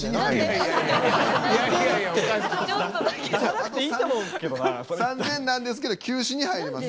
あと３，０００なんですけど休止に入ります。